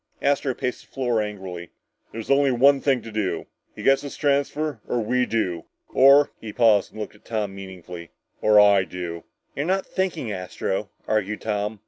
Astro paced the floor angrily. "There's only one thing to do! He gets his transfer or we do! Or " he paused and looked at Tom meaningfully, "or I do." "You're not thinking, Astro," argued Tom.